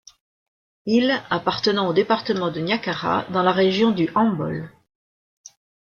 Il appartenant au département de Niakara, dans la Région du Hambol.